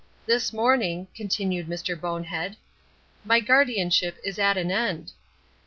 "This morning," continued Mr. Bonehead, "my guardianship is at an end."